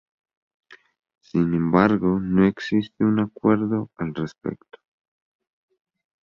Sin embargo no existe un acuerdo al respecto.